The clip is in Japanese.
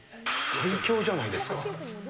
最強じゃないですか。